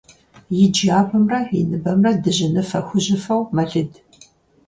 И джабэмрэ и ныбэмрэ дыжьыныфэ-хужьыфэу мэлыд.